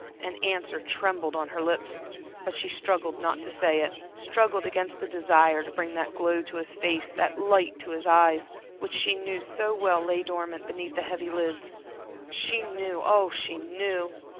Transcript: An answer trembled on her lips, but she struggled not to say it; struggled against the desire to bring that glow to his face, that light to his eyes, which she knew so well lay dormant, beneath the heavy lids. She knew, ah, she knew.